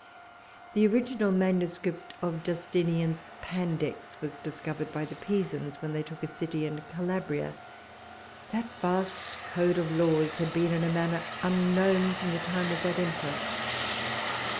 The original manuscript of Justinian's Pandects was discovered by the Pisans, when they took a city in Calabria; that vast code of laws had been in a manner unknown from the time of that emperor.